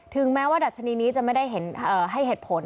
แม้ว่าดัชนีนี้จะไม่ได้ให้เหตุผล